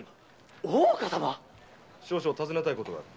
大岡様⁉少々尋ねたいことがある。